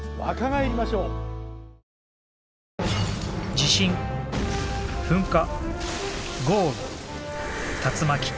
地震噴火豪雨竜巻。